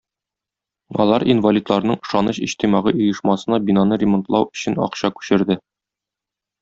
Алар инвалидларның "Ышаныч" иҗтимагый оешмасына бинаны ремонтлау өчен акча күчерде